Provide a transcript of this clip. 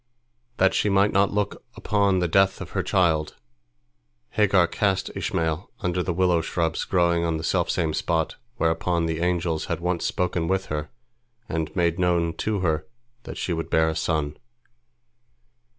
That she might not look upon the death of her child, Hagar cast Ishmael under the willow shrubs growing on the selfsame spot whereon the angels had once spoken with her and made known to her that she would bear a son.